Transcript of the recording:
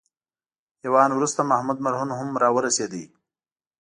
یو آن وروسته محمود مرهون هم راورسېد.